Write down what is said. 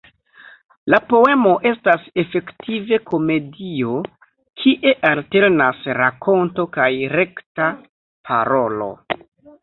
La poemo estas efektive komedio, kie alternas rakonto kaj rekta parolo.